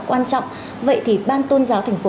quan trọng vậy thì ban tôn giáo thành phố